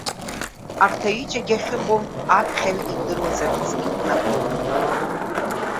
Арҭ аҩыџьагьы ахьыҟоу, аԥхьаҩ идыруазарц қәнагоуп.